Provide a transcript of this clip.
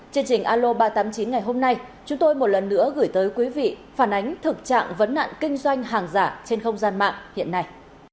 chương trình alo ba trăm tám mươi chín ngày hôm nay chúng tôi một lần nữa gửi tới quý vị phản ánh thực trạng vấn nạn kinh doanh hàng giả trên không gian mạng hiện nay